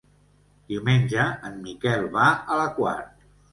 Diumenge en Miquel va a la Quar.